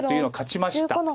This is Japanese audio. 「勝ちました」